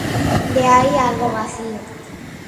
De aí al vacío.